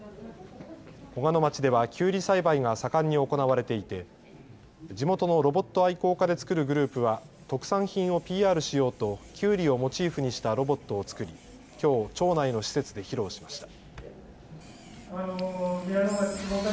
小鹿野町ではきゅうり栽培が盛んに行われていて地元のロボット愛好家で作るグループは特産品をＰＲしようときゅうりをモチーフにしたロボットを作りきょう町内の施設で披露しました。